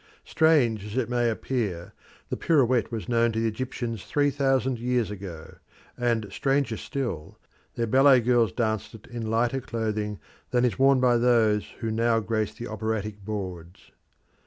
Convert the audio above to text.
Strange as it may appear, the pirouette was known to the Egyptians three thousand years ago, and stranger still, their ballet girls danced it in lighter clothing than is worn by those who now grace the operatic boards.